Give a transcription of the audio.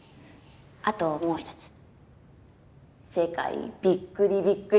あともう一つ世界びっくりびっくり